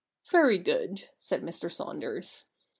* Very good,' said Mr. Saunders.